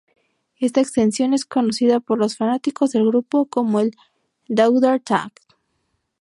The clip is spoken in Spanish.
Esta extensión es conocida por los fanáticos del grupo como el "Daughter tag".